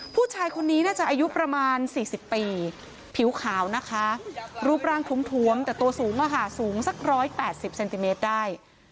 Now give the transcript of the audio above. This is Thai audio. ผู้ชายคนนี้น่าจะอายุประมาณ๔๐ปีผิวขาวนะคะรูปร่างทวมแต่ตัวสูงสูงสัก๑๘๐เซนติเมตรได้